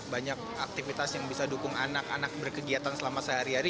banyak aktivitas yang bisa dukung anak anak berkegiatan selama sehari hari